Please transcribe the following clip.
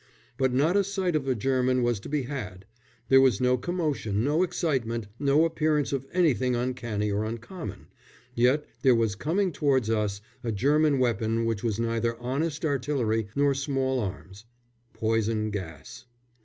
But not a sight of a German was to be had; there was no commotion, no excitement, no appearance of anything uncanny or uncommon, yet there was coming towards us a German weapon which was neither honest artillery nor small arms poison gas.